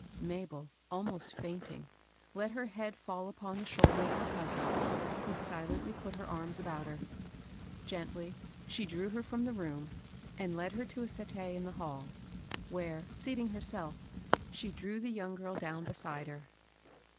Mabel, almost fiunting, let her head fall upon (T) 8 ' MABEL ROSS. the shoulder of her cousin, who silently put her arms about her. Gently, she difew her from the room, and led her to a settee in the hall, where, seating herself, she drew the young girl down beside her.